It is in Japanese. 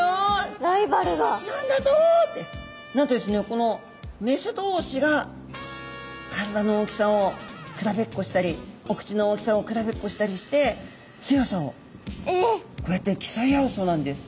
このメス同士が体の大きさを比べっこしたりお口の大きさを比べっこしたりして強さをこうやって競い合うそうなんです。